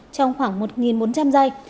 trong khoảng một bốn trăm linh giây